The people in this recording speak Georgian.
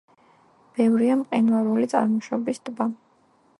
ბევრია მყინვარული წარმოშობის ტბა.